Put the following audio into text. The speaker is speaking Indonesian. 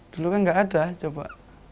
dulu kan nggak ada coba